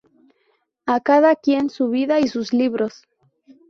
A cada quien su vida y sus libros!